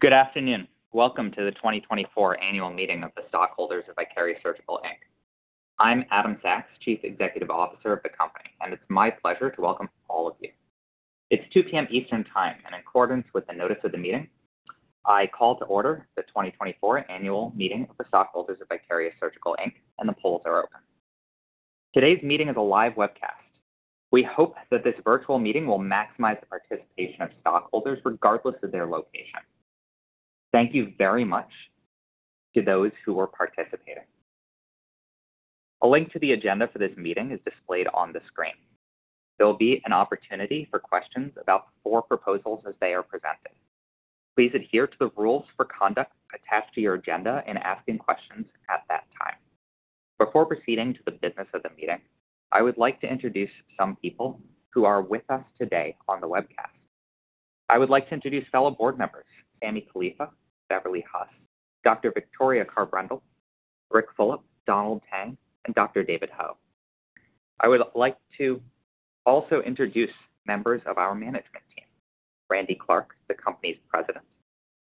Good afternoon. Welcome to the 2024 Annual Meeting of the Stockholders of Vicarious Surgical Inc. I'm Adam Sachs, Chief Executive Officer of the company, and it's my pleasure to welcome all of you. It's 2:00 P.M. Eastern Time, and in accordance with the notice of the meeting, I call to order the 2024 Annual Meeting of the Stockholders of Vicarious Surgical Inc, and the polls are open. Today's meeting is a live webcast. We hope that this virtual meeting will maximize the participation of stockholders, regardless of their location. Thank you very much to those who are participating. A link to the agenda for this meeting is displayed on the screen. There will be an opportunity for questions about four proposals as they are presented. Please adhere to the rules for conduct attached to your agenda in asking questions at that time. Before proceeding to the business of the meeting, I would like to introduce some people who are with us today on the webcast. I would like to introduce fellow board members Sammy Khalifa, Beverly Huss, Dr. Victoria Carr-Brendel, Ric Fulop, Donald Tang, and Dr. David Ho. I would like to also introduce members of our management team, Randy Clark, the company's President,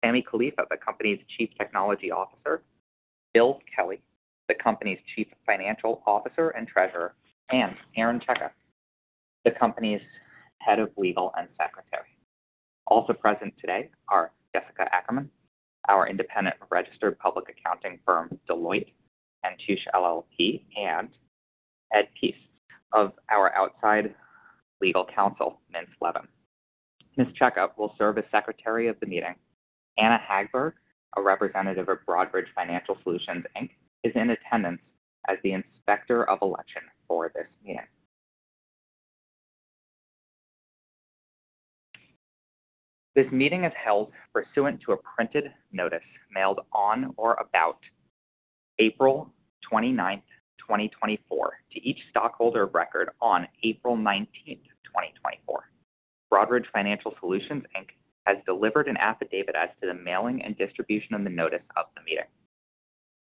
Sammy Khalifa, the company's Chief Technology Officer, Bill Kelly, the company's Chief Financial Officer and Treasurer, and Erin Checka, the company's Head of Legal and Secretary. Also present today are Jessica Ackerman, our independent registered public accounting firm, Deloitte & Touche LLP, and Ed Pease of our outside legal counsel, Mintz Levin. Ms. Checka will serve as Secretary of the meeting. Anna Hagberg, a representative of Broadridge Financial Solutions Inc, is in attendance as the Inspector of Election for this meeting. This meeting is held pursuant to a printed notice mailed on or about April 29, 2024, to each stockholder of record on April 19, 2024. Broadridge Financial Solutions Inc has delivered an affidavit as to the mailing and distribution of the notice of the meeting.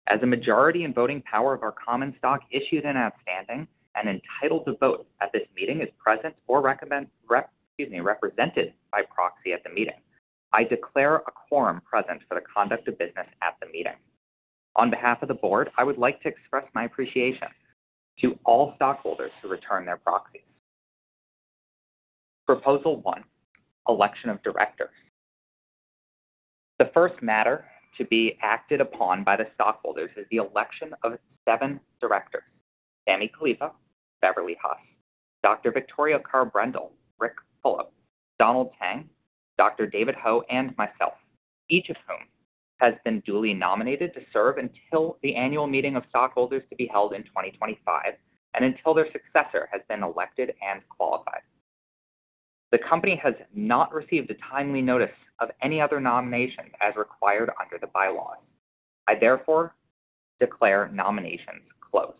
As a majority in voting power of our common stock issued and outstanding and entitled to vote at this meeting is present or represented by proxy at the meeting, I declare a quorum present for the conduct of business at the meeting. Excuse me. On behalf of the board, I would like to express my appreciation to all stockholders who return their proxies. Proposal one, election of directors. The first matter to be acted upon by the stockholders is the election of seven directors, Sammy Khalifa, Beverly Huss, Dr. Victoria Carr-Brendel, Ric Fulop, Donald Tang, Dr. David Ho, and myself, each of whom has been duly nominated to serve until the annual meeting of stockholders to be held in 2025, and until their successor has been elected and qualified. The company has not received a timely notice of any other nomination as required under the bylaws. I therefore declare nominations closed.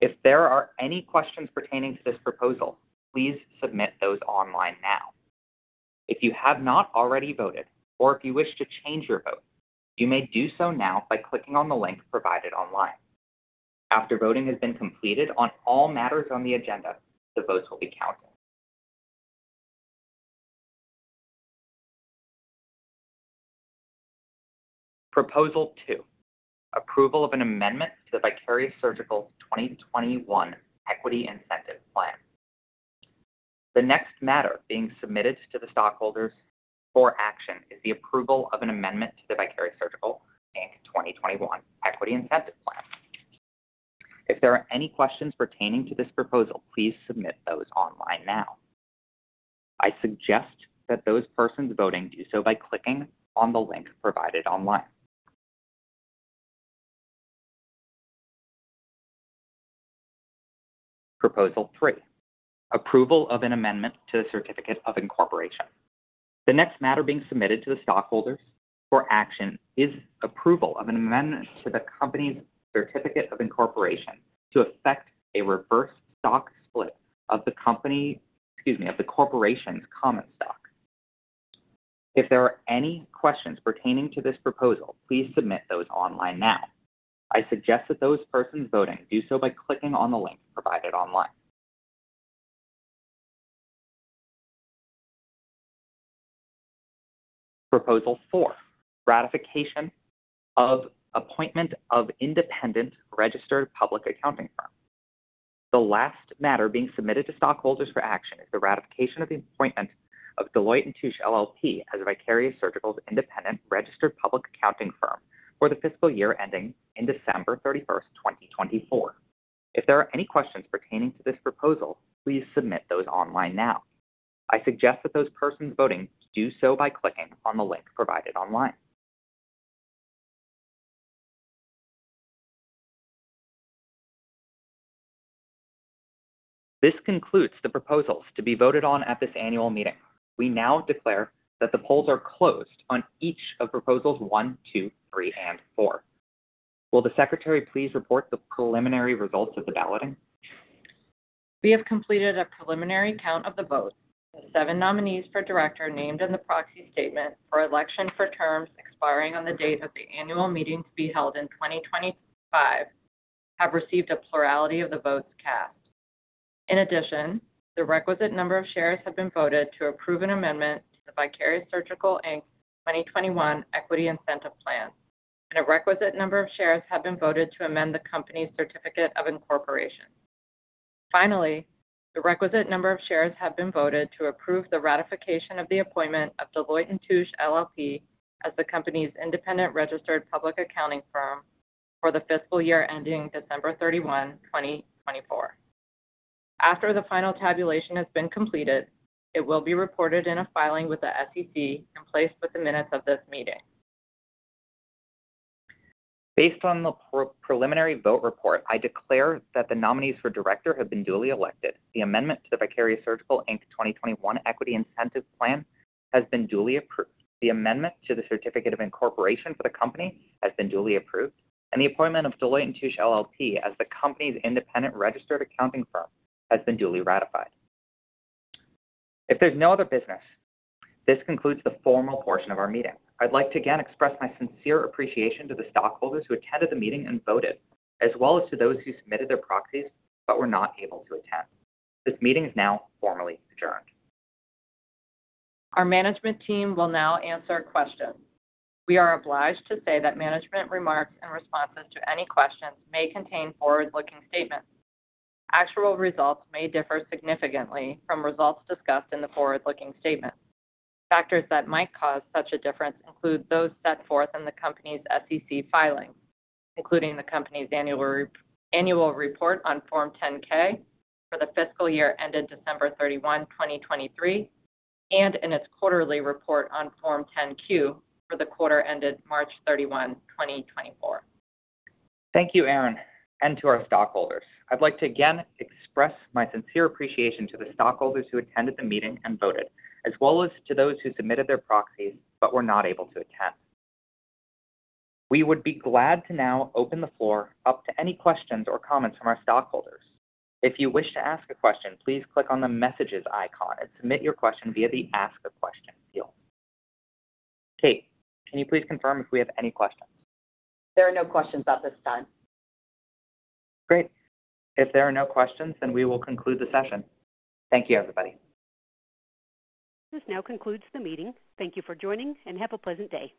If there are any questions pertaining to this proposal, please submit those online now. If you have not already voted or if you wish to change your vote, you may do so now by clicking on the link provided online. After voting has been completed on all matters on the agenda, the votes will be counted. Proposal 2, approval of an amendment to the Vicarious Surgical 2021 Equity Incentive Plan. The next matter being submitted to the stockholders for action is the approval of an amendment to the Vicarious Surgical Inc 2021 Equity Incentive plan. If there are any questions pertaining to this proposal, please submit those online now. I suggest that those persons voting do so by clicking on the link provided online. Proposal 3, approval of an amendment to the Certificate of Incorporation. The next matter being submitted to the stockholders for action is approval of an amendment to the company's Certificate of Incorporation to effect a reverse stock split of the company, excuse me, of the corporation's common stock. If there are any questions pertaining to this proposal, please submit those online now. I suggest that those persons voting do so by clicking on the link provided online. Proposal 4, ratification of appointment of independent registered public accounting firm. The last matter being submitted to stockholders for action is the ratification of the appointment of Deloitte & Touche LLP as Vicarious Surgical's independent registered public accounting firm for the fiscal year ending in December 31st, 2024. If there are any questions pertaining to this proposal, please submit those online now. I suggest that those persons voting do so by clicking on the link provided online. This concludes the proposals to be voted on at this annual meeting. We now declare that the polls are closed on each of proposals one, two, three, and four. Will the secretary please report the preliminary results of the balloting? We have completed a preliminary count of the votes. The seven nominees for director named in the proxy statement for election for terms expiring on the date of the annual meeting to be held in 2025 have received a plurality of the votes cast. In addition, the requisite number of shares have been voted to approve an amendment to the Vicarious Surgical Inc 2021 Equity Incentive Plan, and a requisite number of shares have been voted to amend the company's Certificate of Incorporation. Finally, the requisite number of shares have been voted to approve the ratification of the appointment of Deloitte & Touche LLP, as the company's independent registered public accounting firm for the fiscal year ending December 31, 2024. After the final tabulation has been completed, it will be reported in a filing with the SEC and placed with the minutes of this meeting. Based on the preliminary vote report, I declare that the nominees for director have been duly elected. The amendment to the Vicarious Surgical Inc 2021 Equity Incentive Plan has been duly approved. The amendment to the Certificate of I ncorporation for the company has been duly approved, and the appointment of Deloitte & Touche LLP as the company's independent registered accounting firm has been duly ratified. If there's no other business, this concludes the formal portion of our meeting. I'd like to again express my sincere appreciation to the stockholders who attended the meeting and voted, as well as to those who submitted their proxies but were not able to attend. This meeting is now formally adjourned. Our management team will now answer a question. We are obliged to say that management remarks and responses to any questions may contain forward-looking statements. Actual results may differ significantly from results discussed in the forward-looking statement. Factors that might cause such a difference include those set forth in the company's SEC filings, including the company's annual report on Form 10-K for the fiscal year ended December 31, 2023, and in its quarterly report on Form 10-Q for the quarter ended March 31, 2024. Thank you, Erin, and to our stockholders. I'd like to again express my sincere appreciation to the stockholders who attended the meeting and voted, as well as to those who submitted their proxies but were not able to attend. We would be glad to now open the floor up to any questions or comments from our stockholders. If you wish to ask a question, please click on the messages icon and submit your question via the Ask a Question field. Kate, can you please confirm if we have any questions? There are no questions at this time. Great. If there are no questions, then we will conclude the session. Thank you, everybody. This now concludes the meeting. Thank you for joining, and have a pleasant day.